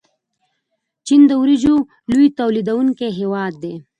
چین د وریجو لوی تولیدونکی هیواد دی.